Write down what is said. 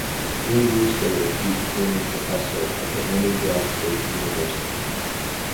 Three years later he became a professor at the Leningrad State University.